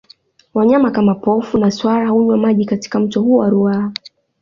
Wanyama kama Pofu na swala hunywa maji katika mto huo wa Ruaha